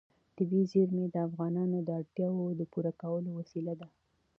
طبیعي زیرمې د افغانانو د اړتیاوو د پوره کولو وسیله ده.